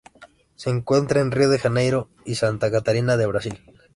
Se encuentra en Río de Janeiro y Santa Catarina de Brasil.